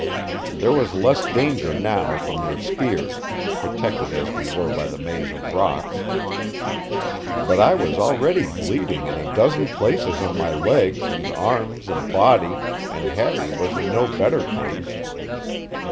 There was less danger now from their spears, protected as we were by the maze of rocks, but I was already bleeding in a dozen places on my legs and arms and body, and Harry was in no better case.